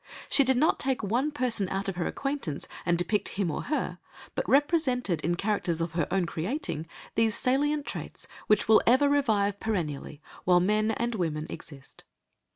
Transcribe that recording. She did not take one person out of her acquaintance and depict him or her, but represented, in characters of her own creating, these salient traits which will ever revive perennially while men and women exist.